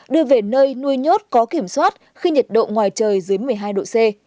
đưa về nơi nuôi nhốt có kiểm soát khi nhiệt độ ngoài trời dưới một mươi hai độ c